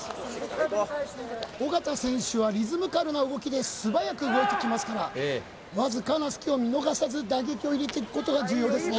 尾形選手はリズミカルな動きで素早く動いてきますからわずかな隙を見逃さず打撃を入れていくことが重要ですね